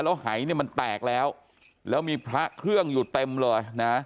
แล้วหายมันแตกแล้วมีพระเครื่องอยู่เต็มเลย